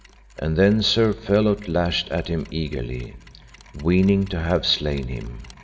And then Sir Phelot lashed at him eagerly, weening to have slain him.